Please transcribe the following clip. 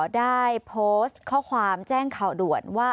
ได้โพสต์ข้อความแจ้งข่าวด่วนว่า